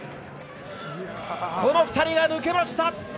この２人が抜けました。